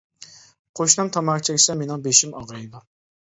قوشنام تاماكا چەكسە مېنىڭ بېشىم ئاغرىيدۇ.